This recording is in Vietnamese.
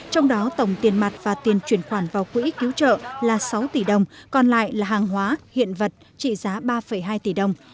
trong đó tổng tiền mặt và tiền chuyển khoản vào quỹ cứu trợ là sáu tỷ đồng còn lại là hàng hóa hiện vật trị giá ba hai tỷ đồng